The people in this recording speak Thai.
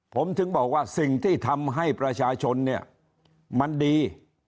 ผมถึงบอกว่าสิ่งที่ทำให้ประชาชนเนี่ยมันดี